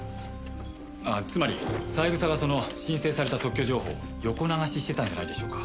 つまり三枝がその申請された特許情報を横流ししてたんじゃないでしょうか？